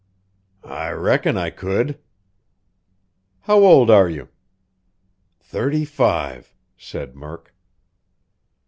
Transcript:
"I reckon I could." "How old are you?" "Thirty five," said Murk.